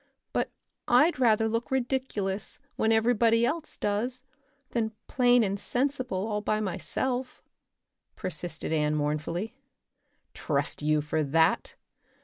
"But I'd rather look ridiculous when everybody else does than plain and sensible all by myself," persisted Anne mournfully. "Trust you for that!